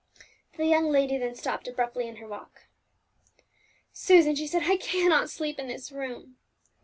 The young lady then stopped abruptly in her walk. "Susan," she said, "I cannot sleep in this room!"